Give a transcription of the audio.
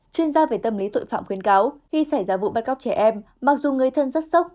chuyên gia về tâm lý tội phạm khuyến cáo khi xảy ra vụ bắt cóc trẻ em mặc dù người thân rất sốc